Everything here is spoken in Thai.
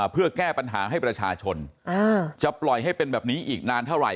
เพื่อแก้ปัญหาให้ประชาชนจะปล่อยให้เป็นแบบนี้อีกนานเท่าไหร